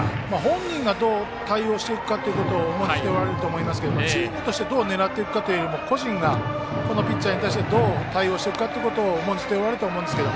本人がどう対応していくかを重んじておられると思いますがチームとしてどう狙っていくかよりも個人が、このピッチャーに対してどう対応していくかを重んじていられると思います。